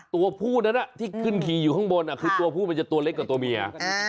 ตัวผู้นั้นที่ขึ้นขี่อยู่ข้างบนคือตัวผู้มันจะตัวเล็กกว่าตัวเมีย